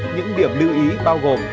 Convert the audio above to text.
những điểm lưu ý bao gồm